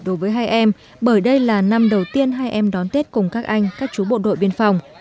đối với hai em bởi đây là năm đầu tiên hai em đón tết cùng các anh các chú bộ đội biên phòng